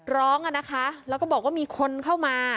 อ่ะนะคะแล้วก็บอกว่ามีคนเข้ามา